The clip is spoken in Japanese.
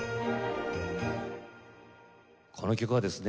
この曲はですね